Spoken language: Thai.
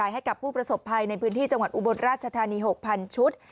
ให้กับผู้ประสบภัยในพื้นที่จังหวัดอุบลราชธานี๖๐๐๐ชุด